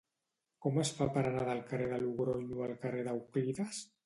Com es fa per anar del carrer de Logronyo al carrer d'Euclides?